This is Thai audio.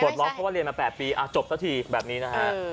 ล็อกเพราะว่าเรียนมา๘ปีจบซะทีแบบนี้นะฮะ